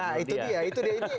nah itu dia itu dia ini